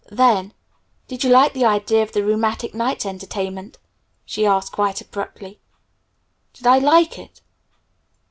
Then, "Did you like the idea of the 'Rheumatic Nights Entertainment'?" she asked quite abruptly. "Did I like it?"